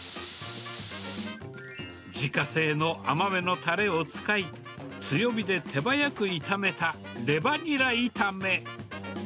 自家製の甘めのたれを使い、強火で手早く炒めたレバニラ炒め。